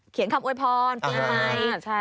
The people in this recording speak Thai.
เขียนคำโอกพรปิ๊มไท